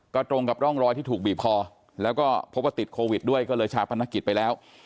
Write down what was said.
ก็ตรงกับร่องรอยที่ถูกบีบคอแล้วก็พบว่าติดโควิดด้วยก็เลยชาปนกิจไปแล้ว